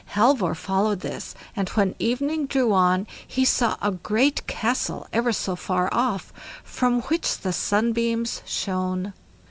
Halvor followed this, and when evening drew on he saw a great castle ever so far off, from which the sunbeams shone.